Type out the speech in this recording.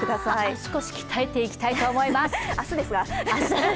足腰鍛えていきたいと思います。